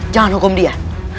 jangan hukum dia